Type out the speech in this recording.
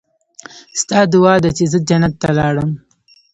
ستا دعا ده چې زه جنت ته لاړم.